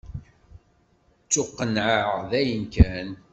Ttuqennɛeɣ dayen kan.